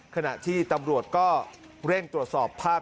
ขณะที่ตำรวจก็เร่งตรวจสอบภาพ